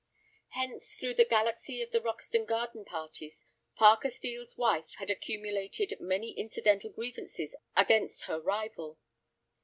Hence, through all the galaxy of the Roxton garden parties, Parker Steel's wife had accumulated many incidental grievances against her rival.